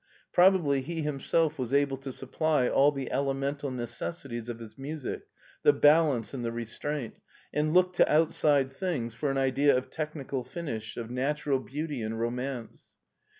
Probably he himself was able to supply all the elemental necessities of his music> the balance and the restraint, and looked to outside things for an idea of technical finish, of natural beauty and romance.